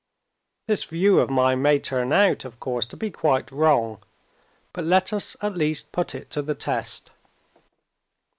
This view of mine may turn out, of course, to be quite wrong; but let us at least put it to the test.